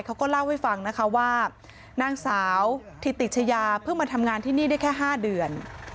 เขาก็เล่าให้ฟังนะคะว่านางสาวธิติชยาเพิ่งมาทำงานที่นี่ได้แค่๕เดือน